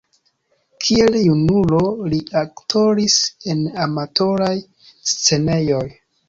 Kiel junulo li aktoris en amatoraj scenejoj.